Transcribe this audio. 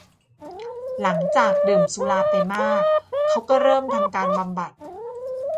หลังจากดื่มสุราไปมากเขาก็เริ่มทำการบำบัด